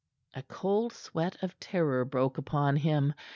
A cold sweat of terror broke upon him.